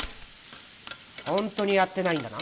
ホントにやってないんだな？